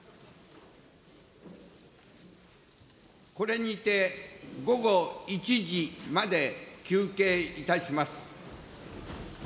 これにて午後１時まで休憩いたします。